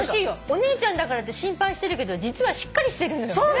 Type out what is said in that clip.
お姉ちゃんだから心配してるけど実はしっかりしてるのよね。